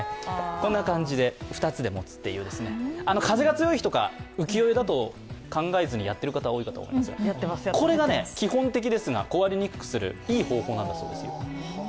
こんな感じで２つで持つっていうね風が強い日だと、浮世絵だと考えずにやってる方いると思いますがこれが基本的ですが壊れにくくするいい方法なんだそうですよ。